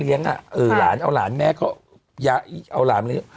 เออเอาหลานแม่ก็เอาหลานมาเลย